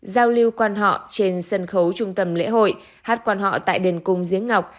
giao lưu quan họ trên sân khấu trung tâm lễ hội hát quan họ tại đền cung giếng ngọc